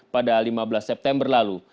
pada lima belas september lalu